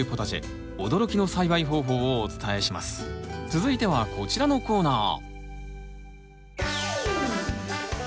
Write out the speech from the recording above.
続いてはこちらのコーナー！